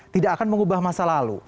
tidak akan mengubah masa lalu